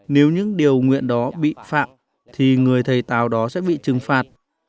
nếu những điều nguyện đó bị phạm thì người thầy tàu đó sẽ bị trừng phạt